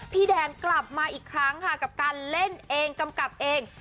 พี่แดนกลับมาอีกครั้งค่ะกับการเล่นเองกำกับเอง